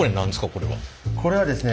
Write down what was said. これはですね